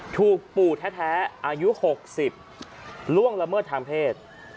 ถูกปู่แท้อายุ๖๐ล่วงละเมิดทางเพศ